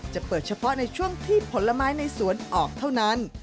จะเปิดเฉพาะในช่วงที่ผลไม้ในสวนออกเท่านั้น